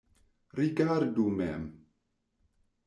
Rigardu mem.